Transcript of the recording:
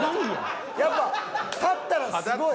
やっぱ立ったらすごい。